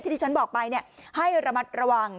ที่ที่ฉันบอกไปให้ระมัดระวัง